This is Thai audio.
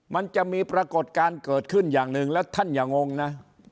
มันจะมีปรากฏการณ์เกิดขึ้นอย่างหนึ่งแล้วท่านอย่างงนะ